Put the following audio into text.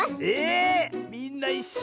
みんないっしょ。